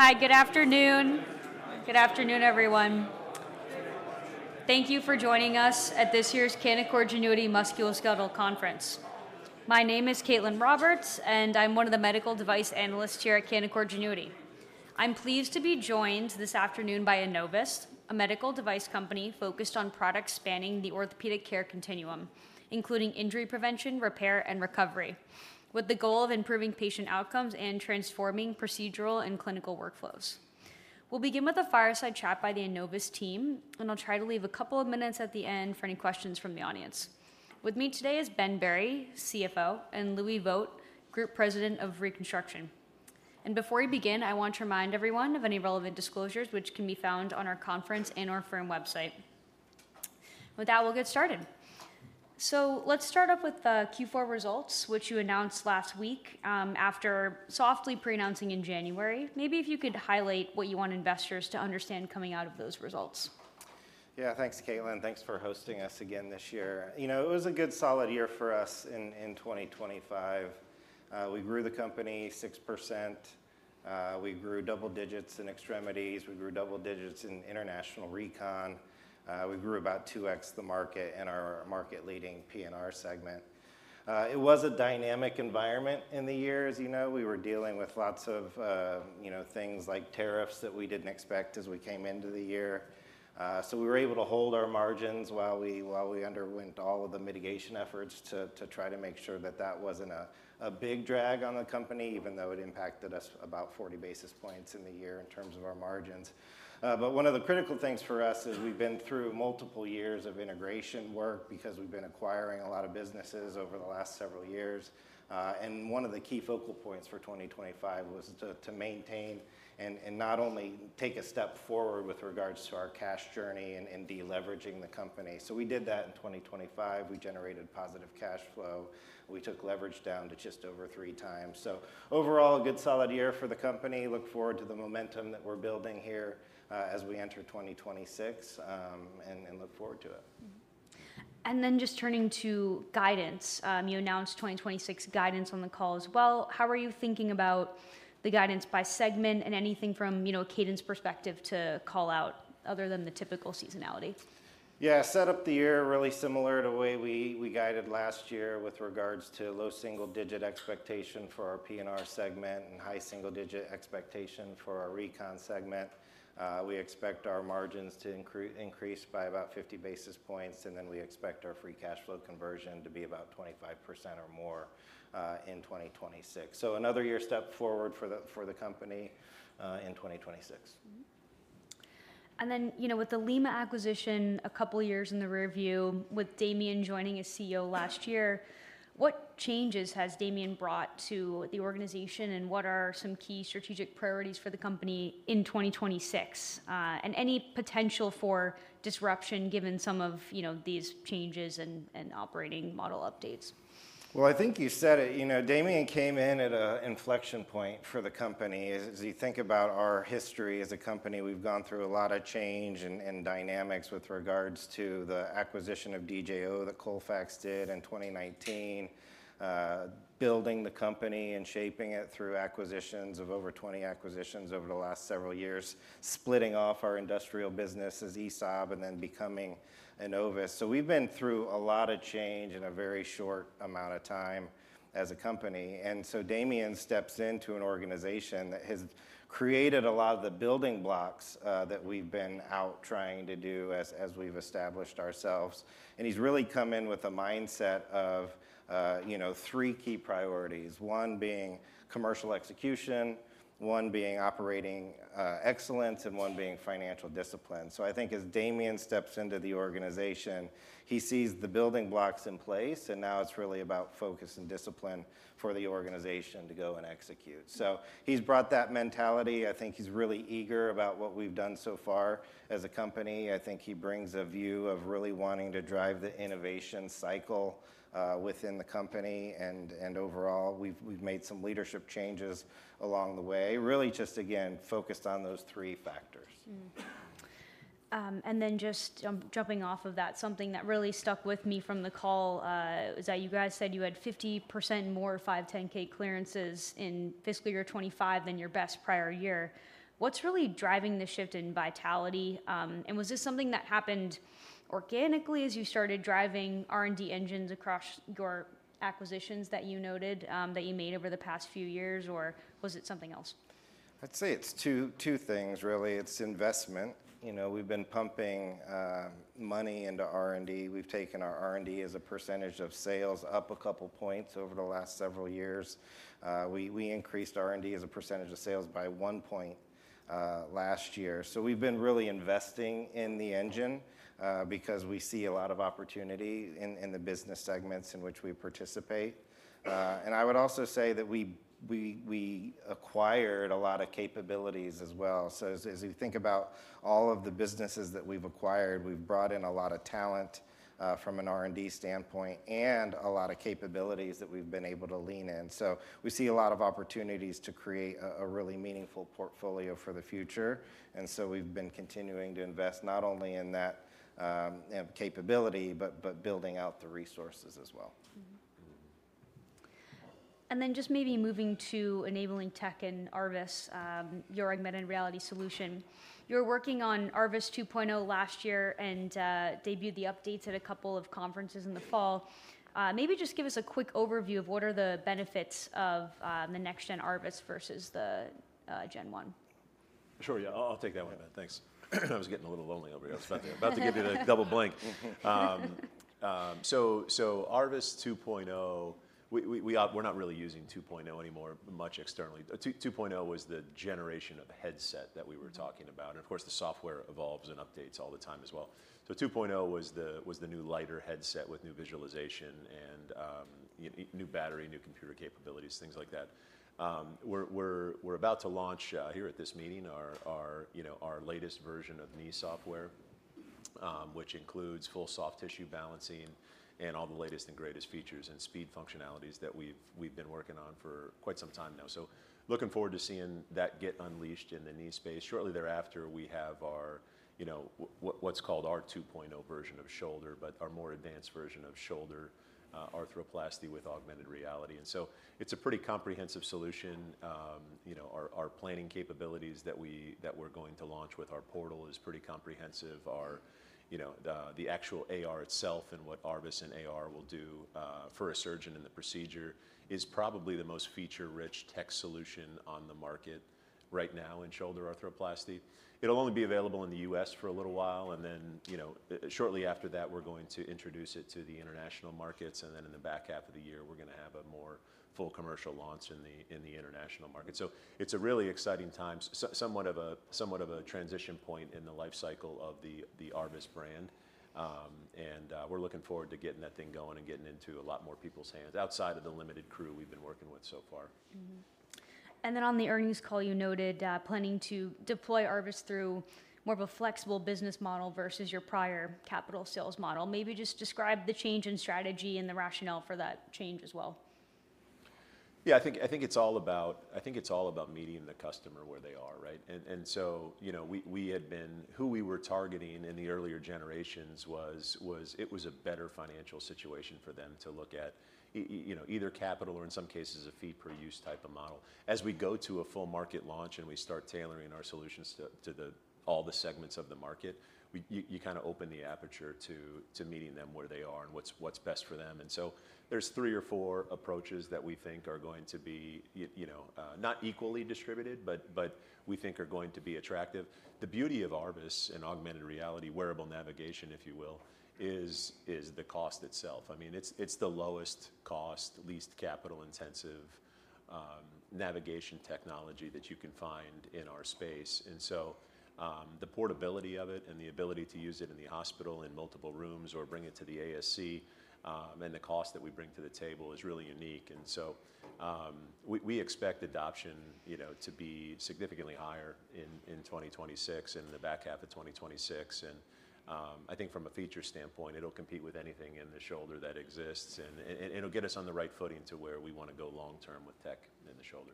Hi. Good afternoon. Good afternoon, everyone. Thank you for joining us at this year's Canaccord Genuity Musculoskeletal Conference. My name is Caitlin Roberts, and I'm one of the medical device analysts here at Canaccord Genuity. I'm pleased to be joined this afternoon by Enovis, a medical device company focused on products spanning the orthopedic care continuum, including injury prevention, repair, and recovery, with the goal of improving patient outcomes and transforming procedural and clinical workflows. We'll begin with a fireside chat by the Enovis team, and I'll try to leave a couple of minutes at the end for any questions from the audience. With me today is Ben Berry, Chief Financial Officer, and Louie Vogt, Group President of Reconstruction. Before we begin, I want to remind everyone of any relevant disclosures which can be found on our conference and/or firm website. With that, we'll get started. Let's start off with the Q4 results, which you announced last week, after softly pre-announcing in January. Maybe if you could highlight what you want investors to understand coming out of those results. Yeah. Thanks, Caitlin. Thanks for hosting us again this year. You know, it was a good solid year for us in 2025. We grew the company 6%. We grew double digits in extremities. We grew double digits in international recon. We grew about 2x the market in our market-leading PNR segment. It was a dynamic environment in the year, as you know. We were dealing with lots of, you know, things like tariffs that we didn't expect as we came into the year. So we were able to hold our margins while we underwent all of the mitigation efforts to try to make sure that wasn't a big drag on the company, even though it impacted us about 40 basis points in the year in terms of our margins. One of the critical things for us is we've been through multiple years of integration work because we've been acquiring a lot of businesses over the last several years. One of the key focal points for 2025 was to maintain and not only take a step forward with regards to our cash journey and deleveraging the company. We did that in 2025. We generated positive cash flow. We took leverage down to just over 3x. Overall, a good solid year for the company. Look forward to the momentum that we're building here, as we enter 2026, and look forward to it. Just turning to guidance, you announced 2026 guidance on the call as well. How are you thinking about the guidance by segment and anything from, you know, a cadence perspective to call out other than the typical seasonality? Yeah. Set up the year really similar to the way we guided last year with regards to low single-digit expectation for our PNR segment and high single-digit expectation for our recon segment. We expect our margins to increase by about 50 basis points. We expect our free cash flow conversion to be about 25% or more in 2026. Another year step forward for the company in 2026. Mm-hmm. Then, you know, with the Lima acquisition a couple years in the rearview with Damien joining as Chief Executive Officer last year, what changes has Damien brought to the organization, and what are some key strategic priorities for the company in 2026? And any potential for disruption given some of, you know, these changes and operating model updates? Well, I think you said it. You know, Damian came in at an inflection point for the company. As you think about our history as a company, we've gone through a lot of change and dynamics with regards to the acquisition of DJO that Colfax did in 2019, building the company and shaping it through acquisitions of over 20 acquisitions over the last several years, splitting off our industrial business as ESAB and then becoming Enovis. We've been through a lot of change in a very short amount of time as a company. Damian steps into an organization that has created a lot of the building blocks that we've been out trying to do as we've established ourselves. He's really come in with a mindset of, you know, three key priorities, one being commercial execution, one being operating excellence, and one being financial discipline. As Damien steps into the organization, he sees the building blocks in place, and now it's really about focus and discipline for the organization to go and execute. He's brought that mentality. He's really eager about what we've done so far as a company. He brings a view of really wanting to drive the innovation cycle within the company. Overall, we've made some leadership changes along the way, really just, again, focused on those three factors. Then just jumping off of that, something that really stuck with me from the call, was that you guys said you had 50% more 510(k) clearances in fiscal year 25 than your best prior year. What's really driving the shift in vitality? Was this something that happened organically as you started driving R&D engines across your acquisitions that you noted, that you made over the past few years, or was it something else? I'd say it's two things really. It's investment. You know, we've been pumping money into R&D. We've taken our R&D as a percentage of sales up a couple points over the last several years. We increased R&D as a percentage of sales by one point last year. We've been really investing in the engine because we see a lot of opportunity in the business segments in which we participate. I would also say that we acquired a lot of capabilities as well. As you think about all of the businesses that we've acquired, we've brought in a lot of talent from an R&D standpoint and a lot of capabilities that we've been able to lean in. We see a lot of opportunities to create a really meaningful portfolio for the future. We've been continuing to invest not only in that, you know, capability, but building out the resources as well. Just maybe moving to enabling technologies and ARVIS, your augmented reality solution. You were working on ARVIS 2.0 last year and debuted the updates at a couple of conferences in the fall. Maybe just give us a quick overview of what are the benefits of the next gen ARVIS versus the gen one? Sure, yeah. I'll take that one, Evan. Thanks. I was getting a little lonely over here. I was about to give you the double blink. ARVIS 2.0, we're not really using 2.0 anymore much externally. 2.0 was the generation of headset that we were talking about, and of course, the software evolves and updates all the time as well. 2.0 was the new lighter headset with new visualization and new battery, new computer capabilities, things like that. We're about to launch here at this meeting our, you know, our latest version of knee software, which includes full soft tissue balancing and all the latest and greatest features and speed functionalities that we've been working on for quite some time now. Looking forward to seeing that get unleashed in the knee space. Shortly thereafter, we have our, you know, what's called our 2.0 version of shoulder, but our more advanced version of shoulder arthroplasty with augmented reality. It's a pretty comprehensive solution. You know, our planning capabilities that we're going to launch with our portal is pretty comprehensive. Our, you know, the actual AR itself and what ARVIS and AR will do for a surgeon in the procedure is probably the most feature-rich tech solution on the market right now in shoulder arthroplasty. It'll only be available in the U.S. for a little while, and then, you know, shortly after that, we're going to introduce it to the international markets, and then in the back half of the year, we're gonna have a more full commercial launch in the, in the international market. It's a really exciting time, somewhat of a transition point in the life cycle of the ARVIS brand. We're looking forward to getting that thing going and getting into a lot more people's hands outside of the limited crew we've been working with so far. On the earnings call, you noted planning to deploy ARVIS through more of a flexible business model versus your prior capital sales model. Maybe just describe the change in strategy and the rationale for that change as well. Yeah, I think it's all about meeting the customer where they are, right? you know, Who we were targeting in the earlier generations was a better financial situation for them to look at, you know, either capital or in some cases a fee per use type of model. As we go to a full market launch and we start tailoring our solutions to the, all the segments of the market, you kinda open the aperture to meeting them where they are and what's best for them. there's three or four approaches that we think are going to be you know, not equally distributed, but we think are going to be attractive. The beauty of ARVIS and augmented reality, wearable navigation if you will, is the cost itself. I mean, it's the lowest cost, least capital intensive navigation technology that you can find in our space. The portability of it and the ability to use it in the hospital in multiple rooms or bring it to the ASC, and the cost that we bring to the table is really unique. We expect adoption, you know, to be significantly higher in 2026, in the back half of 2026. I think from a feature standpoint, it'll compete with anything in the shoulder that exists and it'll get us on the right footing to where we wanna go long term with tech in the shoulder.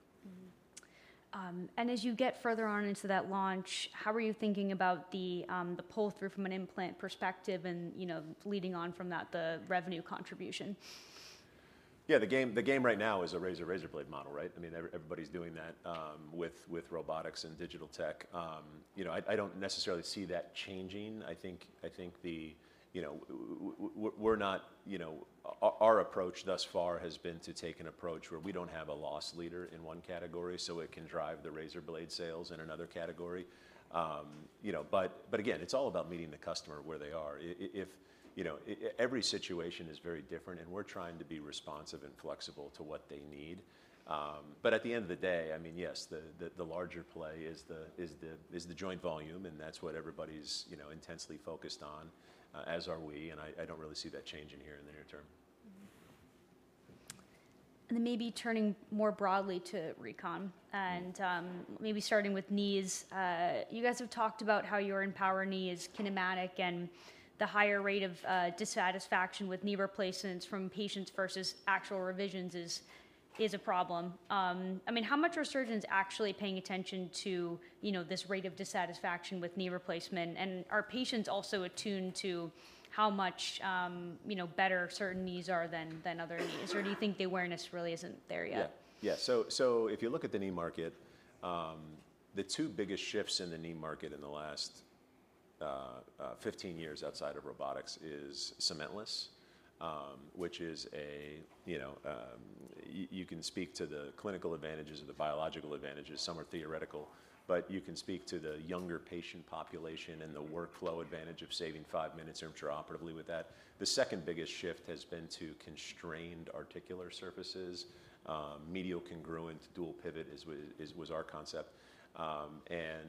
As you get further on into that launch, how are you thinking about the pull through from an implant perspective and, you know, leading on from that, the revenue contribution? Yeah. The game right now is a razor-razorblade model, right? I mean, everybody's doing that with robotics and digital tech. You know, I don't necessarily see that changing. I think the, you know, we're not, you know. Our approach thus far has been to take an approach where we don't have a loss leader in one category, so it can drive the razorblade sales in another category. You know, but again, it's all about meeting the customer where they are. If, you know, every situation is very different, and we're trying to be responsive and flexible to what they need. At the end of the day, I mean, yes, the larger play is the joint volume, and that's what everybody's, you know, intensely focused on, as are we, and I don't really see that changing here in the near term. Mm-hmm. maybe turning more broadly to recon- Mm-hmm. Maybe starting with knees. You guys have talked about how your EMPOWR Knee is kinematic and the higher rate of dissatisfaction with knee replacements from patients versus actual revisions is a problem. I mean, how much are surgeons actually paying attention to, you know, this rate of dissatisfaction with knee replacement? Are patients also attuned to how much, you know, better certain knees are than other knees? Or do you think the awareness really isn't there yet? If you look at the knee market, the two biggest shifts in the knee market in the last 15 years outside of robotics is cementless, which is a, you know, you can speak to the clinical advantages or the biological advantages. Some are theoretical. You can speak to the younger patient population and the workflow advantage of saving five minutes intraoperatively with that. The second biggest shift has been to constrained articular surfaces. Medial congruent dual pivot was our concept.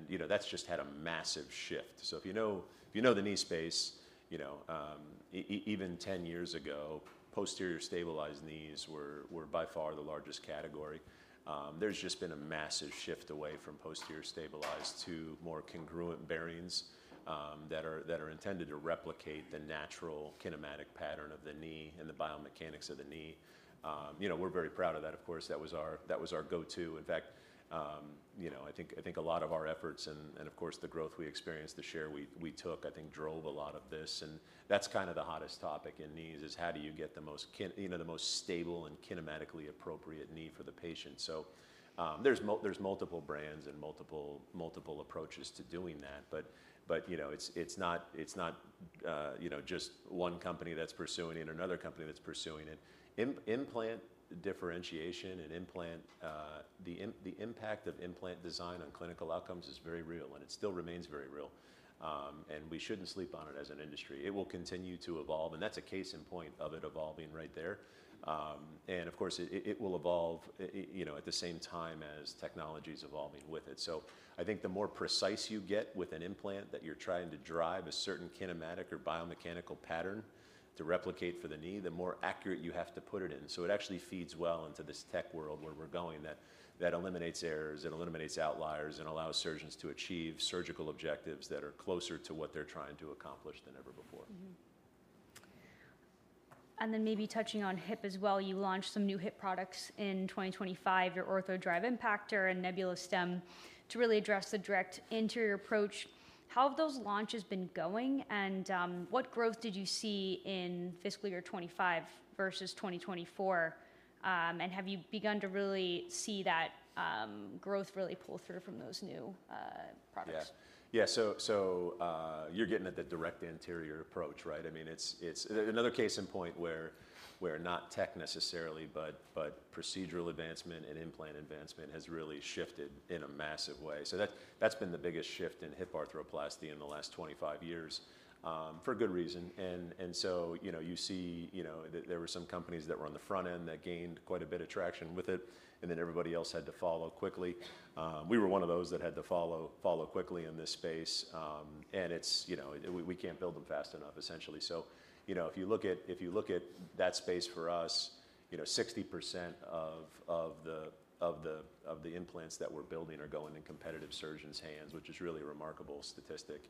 You know, that's just had a massive shift. If you know, if you know the knee space, you know, Even 10 years ago, posterior stabilized knees were by far the largest category. There's just been a massive shift away from posterior stabilized to more congruent bearings that are intended to replicate the natural kinematic pattern of the knee and the biomechanics of the knee. You know, we're very proud of that, of course. That was our go-to. In fact, you know, I think a lot of our efforts and of course the growth we experienced, the share we took, I think drove a lot of this. That's kind of the hottest topic in knees, is how do you get the most, you know, the most stable and kinematically appropriate knee for the patient. There's multiple brands and multiple approaches to doing that. You know, it's not, it's not, you know, just one company that's pursuing it and another company that's pursuing it. Implant differentiation and implant, the impact of implant design on clinical outcomes is very real, and it still remains very real. We shouldn't sleep on it as an industry. It will continue to evolve, and that's a case in point of it evolving right there. Of course it will evolve, you know, at the same time as technology's evolving with it. I think the more precise you get with an implant that you're trying to drive a certain kinematic or biomechanical pattern to replicate for the knee, the more accurate you have to put it in. It actually feeds well into this tech world where we're going that eliminates errors, it eliminates outliers, and allows surgeons to achieve surgical objectives that are closer to what they're trying to accomplish than ever before. Maybe touching on hip as well, you launched some new hip products in 2025, your OrthoDrive Impactor and Nebula Stem, to really address the direct anterior approach. How have those launches been going, and what growth did you see in fiscal year 2025 versus 2024? Have you begun to really see that growth really pull through from those new products? Yeah. You're getting at the direct anterior approach, right? I mean, it's another case in point where not tech necessarily, but procedural advancement and implant advancement has really shifted in a massive way. That's been the biggest shift in hip arthroplasty in the last 25 years, for good reason. You know, we can't build them fast enough, essentially. You know, if you look at that space for us, you know, 60% of the implants that we're building are going in competitive surgeons' hands, which is a really remarkable statistic.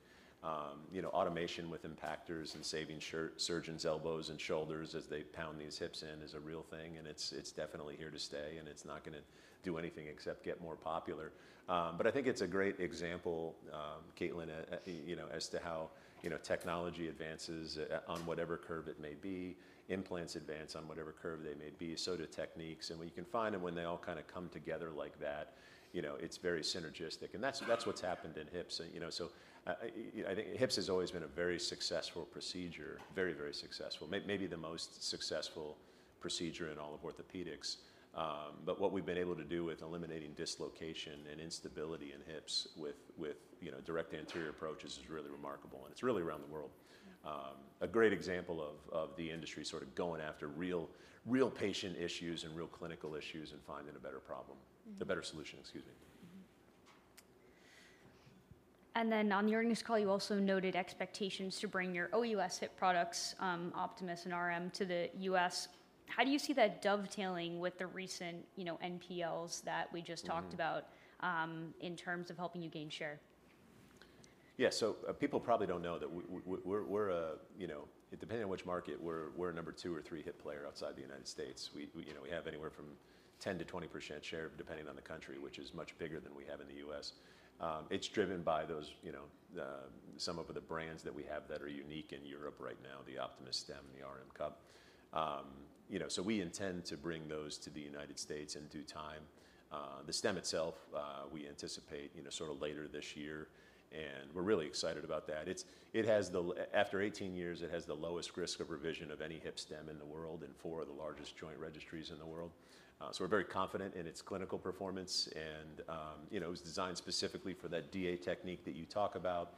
You know, automation with impactors and saving surgeons' elbows and shoulders as they pound these hips in is a real thing, and it's definitely here to stay, and it's not gonna do anything except get more popular. I think it's a great example, Caitlin, you know, as to how, you know, technology advances on whatever curve it may be. Implants advance on whatever curve they may be, so do techniques. When you combine them, when they all kind of come together like that, you know, it's very synergistic. That's what's happened in hips. You know, I think hips has always been a very successful procedure. Very successful. Maybe the most successful procedure in all of orthopedics. What we've been able to do with eliminating dislocation and instability in hips with, you know, direct anterior approaches is really remarkable, and it's really around the world. A great example of the industry sort of going after real patient issues and real clinical issues and finding a better problem. Mm-hmm. The better solution, excuse me. On the earnings call, you also noted expectations to bring your OUS hip products, Optimys and RM, to the US. How do you see that dovetailing with the recent, you know, NPLs that we just talked about? Mm-hmm in terms of helping you gain share? People probably don't know that we're a, you know, Depending on which market, we're a number two or three hip player outside the United States. We, you know, we have anywhere from 10%-20% share, depending on the country, which is much bigger than we have in the U.S. It's driven by those, you know, the, some of the brands that we have that are unique in Europe right now, the Optimys stem and the RM Cup. You know, we intend to bring those to the United States in due time. The stem itself, we anticipate, you know, sort of later this year, and we're really excited about that. After 18 years, it has the lowest risk of revision of any hip stem in the world in four of the largest joint registries in the world. We're very confident in its clinical performance, and, you know, it was designed specifically for that DA technique that you talk about.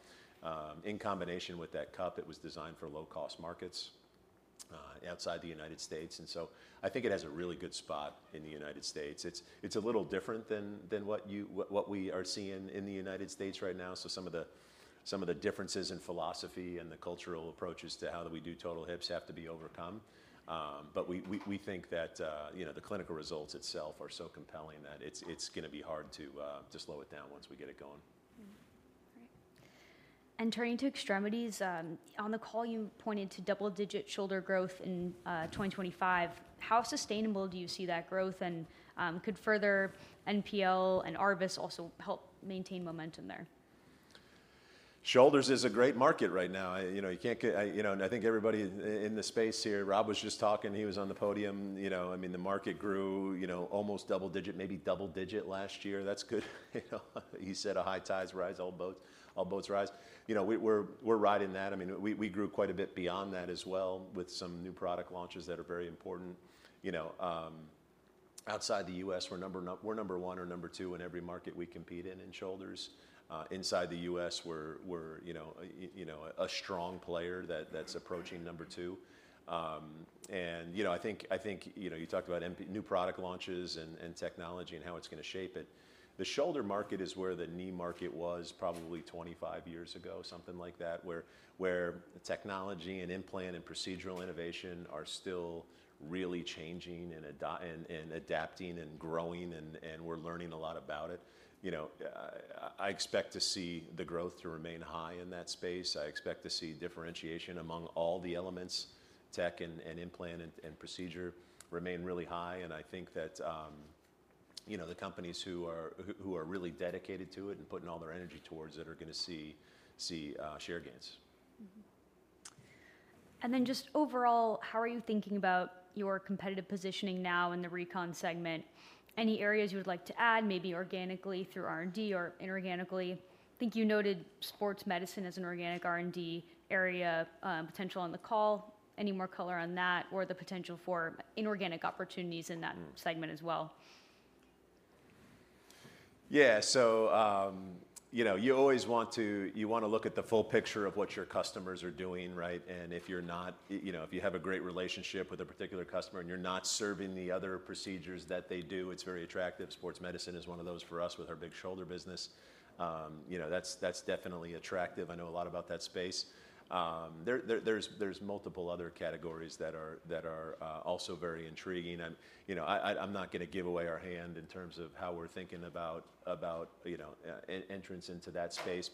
In combination with that cup, it was designed for low-cost markets, outside the United States. I think it has a really good spot in the United States. It's, it's a little different than what you, what we are seeing in the United States right now. Some of the, some of the differences in philosophy and the cultural approaches to how do we do total hips have to be overcome. We think that, you know, the clinical results itself are so compelling that it's gonna be hard to slow it down once we get it going. Great. Turning to extremities, on the call, you pointed to double-digit shoulder growth in 2025. How sustainable do you see that growth, and could further NPL and ARVIS also help maintain momentum there? Shoulders is a great market right now. You know, I think everybody in the space here, Rob was just talking, he was on the podium, you know. I mean, the market grew, you know, almost double digit, maybe double digit last year. That's good. You know, he said a high tides rise all boats, all boats rise. You know, we're riding that. I mean, we grew quite a bit beyond that as well with some new product launches that are very important. You know, outside the U.S., we're number one or number two in every market we compete in in shoulders. Inside the U.S., we're, you know, a strong player that's approaching number two. You know, I think, you know, you talked about MP new product launches and technology and how it's gonna shape it. The shoulder market is where the knee market was probably 25 years ago, something like that, where technology and implant and procedural innovation are still really changing and adapting and growing and we're learning a lot about it. You know, I expect to see the growth to remain high in that space. I expect to see differentiation among all the elements, tech and implant and procedure remain really high. I think that, you know, the companies who are really dedicated to it and putting all their energy towards it are gonna see share gains. Mm-hmm. Just overall, how are you thinking about your competitive positioning now in the recon segment? Any areas you would like to add, maybe organically through R&D or inorganically? I think you noted sports medicine as an organic R&D area, potential on the call. Any more color on that or the potential for inorganic opportunities in that segment as well? You know, you always wanna look at the full picture of what your customers are doing, right? If you're not, you know, if you have a great relationship with a particular customer and you're not serving the other procedures that they do, it's very attractive. Sports medicine is one of those for us with our big shoulder business. You know, that's definitely attractive. I know a lot about that space. There's multiple other categories that are also very intriguing. You know, I'm not gonna give away our hand in terms of how we're thinking about entrance into that space.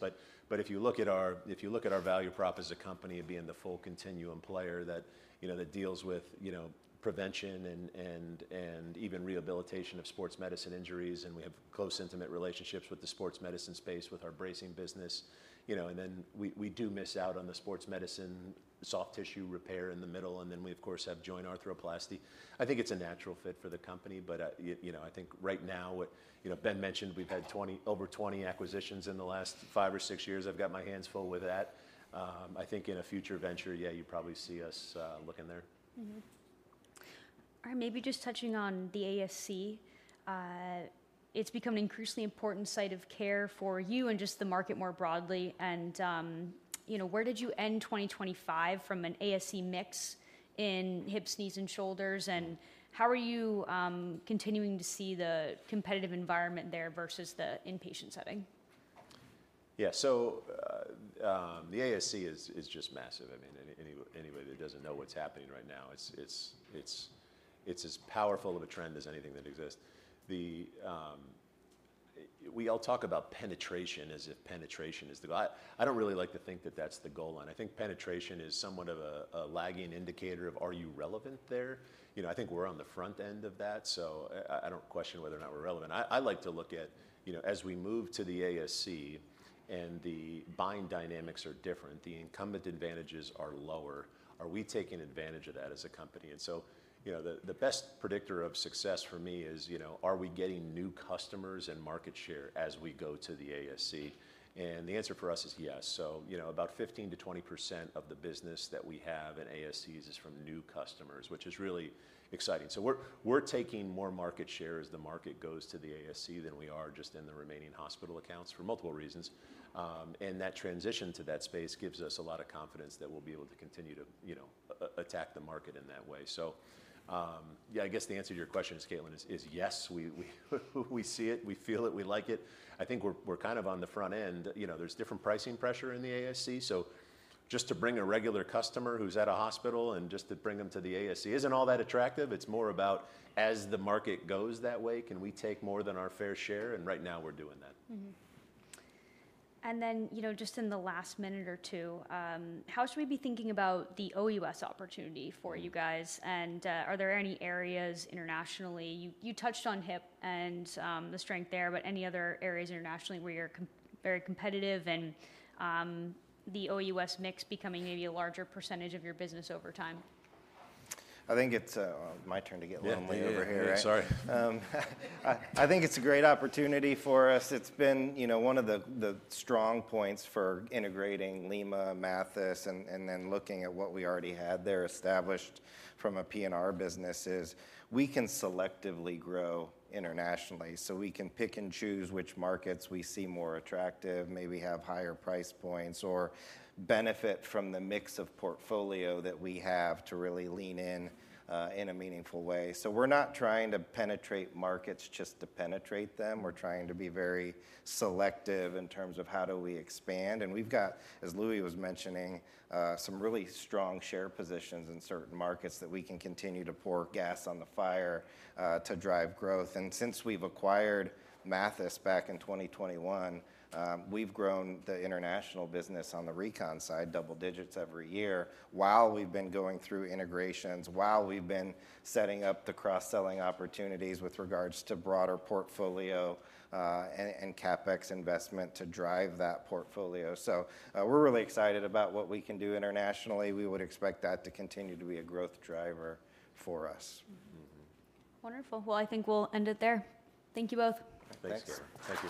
If you look at our value prop as a company of being the full continuum player that, you know, that deals with, you know, prevention and even rehabilitation of sports medicine injuries, and we have close intimate relationships with the sports medicine space with our bracing business, you know, and then we do miss out on the sports medicine soft tissue repair in the middle, and then we, of course, have joint arthroplasty. I think it's a natural fit for the company. You know, I think right now what. You know, Ben mentioned we've had over 20 acquisitions in the last five or six years. I've got my hands full with that. I think in a future venture, yeah, you'd probably see us look in there. All right. Maybe just touching on the ASC. It's become an increasingly important site of care for you and just the market more broadly. You know, where did you end 2025 from an ASC mix in hips, knees, and shoulders? How are you continuing to see the competitive environment there versus the inpatient setting? Yeah. The ASC is just massive. I mean, anybody that doesn't know what's happening right now, it's as powerful of a trend as anything that exists. The. We all talk about penetration as if penetration is the. I don't really like to think that that's the goal line. I think penetration is somewhat of a lagging indicator of are you relevant there. You know, I think we're on the front end of that, so I don't question whether or not we're relevant. I like to look at, you know, as we move to the ASC and the buying dynamics are different, the incumbent advantages are lower, are we taking advantage of that as a company? You know, the best predictor of success for me is, you know, are we getting new customers and market share as we go to the ASC? The answer for us is yes. You know, about 15%-20% of the business that we have in ASCs is from new customers, which is really exciting. We're taking more market share as the market goes to the ASC than we are just in the remaining hospital accounts for multiple reasons. That transition to that space gives us a lot of confidence that we'll be able to continue to, you know, attack the market in that way. Yeah, I guess the answer to your question, Caitlin, is yes. We see it, we feel it, we like it. I think we're kind of on the front end. You know, there's different pricing pressure in the ASC. Just to bring a regular customer who's at a hospital and just to bring them to the ASC isn't all that attractive. It's more about as the market goes that way, can we take more than our fair share? Right now we're doing that. Then, you know, just in the last minute or two, how should we be thinking about the OUS opportunity for you guys? Are there any areas internationally? You, you touched on hip and the strength there, but any other areas internationally where you're very competitive and the OUS mix becoming maybe a larger percentage of your business over time? I think it's, my turn to get lonely over here, right? Yeah. Yeah. Sorry. I think it's a great opportunity for us. It's been, you know, one of the strong points for integrating Lima, Mathys, and then looking at what we already had there established from a PNR business is we can selectively grow internationally. We can pick and choose which markets we see more attractive, maybe have higher price points, or benefit from the mix of portfolio that we have to really lean in in a meaningful way. We're not trying to penetrate markets just to penetrate them. We're trying to be very selective in terms of how do we expand. We've got, as Louis was mentioning, some really strong share positions in certain markets that we can continue to pour gas on the fire to drive growth. Since we've acquired Mathys back in 2021, we've grown the international business on the recon side double digits every year while we've been going through integrations, while we've been setting up the cross-selling opportunities with regards to broader portfolio, and CapEx investment to drive that portfolio. We're really excited about what we can do internationally. We would expect that to continue to be a growth driver for us. Mm-hmm. Wonderful. I think we'll end it there. Thank you both. Thanks. Thanks, Caitlin. Thank you.